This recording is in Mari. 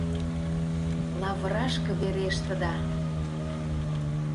— Лавырашке верештыда.